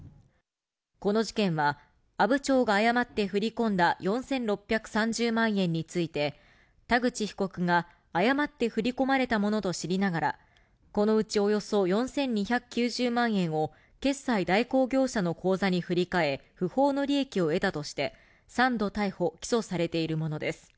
この事件は、阿武町が誤って振り込んだ４６３０万円について、田口被告が誤って振り込まれたものと知りながら、このうちおよそ４２９０万円を決済代行業者の口座に振り替え、不法の利益を得たとして、３度逮捕・起訴されているものです。